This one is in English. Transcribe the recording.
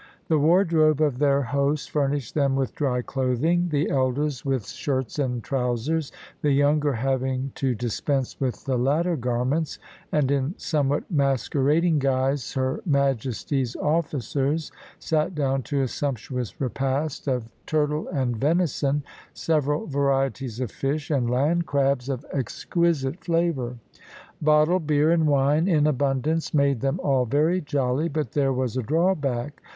The wardrobe of their host furnished them with dry clothing the elders with shirts and trousers, the younger having to dispense with the latter garments, and in somewhat masquerading guise her Majesty's officers sat down to a sumptuous repast of turtle and venison, several varieties of fish, and land crabs of exquisite flavour. Bottled beer and wine in abundance made them all very jolly, but there was a drawback.